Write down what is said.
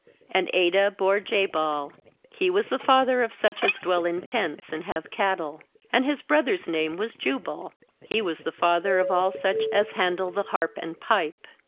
20And Adah bore Jabal; he was the father of such as dwell in tents and have cattle. 21And his brother's name was Jubal; he was the father of all such as handle the harp and pipe.